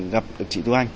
gặp được chị tu anh